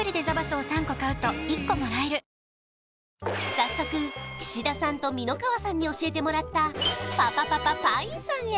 早速岸田さんと箕川さんに教えてもらったパパパパパインさんへ！